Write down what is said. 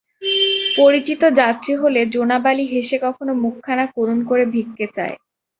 পরিচিত যাত্রী হলে জোনাব আলি হেসে কখনো মুখখানা করুণ করে ভিক্ষে চায়।